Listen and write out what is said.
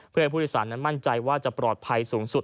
เพื่อให้ผู้โดยสารนั้นมั่นใจว่าจะปลอดภัยสูงสุด